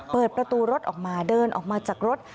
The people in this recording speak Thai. เปิดประตูรถออกมาเดินออกมาจากรถ